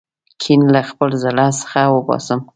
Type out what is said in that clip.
کین له خپل زړه څخه وباسم.